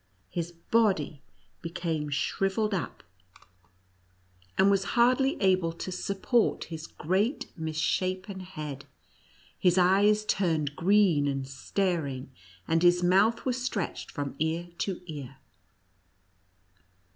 His body became shrivelled up, and was hardly 86 NUTCRACKER AND MOUSE KING. able to support his great misshapen head, his eyes turned green and staring, and his mouth was stretched from ear to ear.